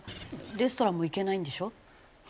レストランも行けないんでしょ？